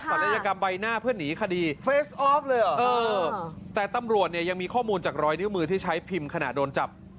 ลัยกรรมใบหน้าเพื่อหนีคดีเฟสออฟเลยเหรอเออแต่ตำรวจเนี่ยยังมีข้อมูลจากรอยนิ้วมือที่ใช้พิมพ์ขณะโดนจับ